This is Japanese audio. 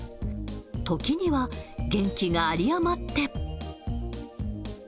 ときには、元気が有り余って。